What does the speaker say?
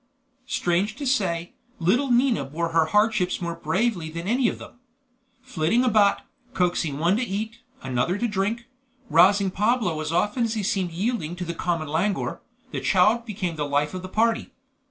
Strange to say, little Nina bore her hardships more bravely than any of them. Flitting about, coaxing one to eat, another to drink, rousing Pablo as often as he seemed yielding to the common languor, the child became the life of the party.